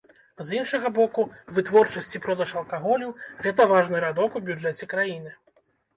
З іншага боку, вытворчасць і продаж алкаголю гэта важны радок у бюджэце краіны.